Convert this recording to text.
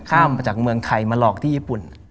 ข้ามมาจากเมืองไทยมาหลอกที่ญี่ปุ่น